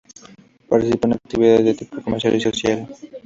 Participó en actividades de tipo comercial y social.